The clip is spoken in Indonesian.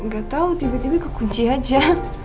gak tau tiba tiba kekunci aja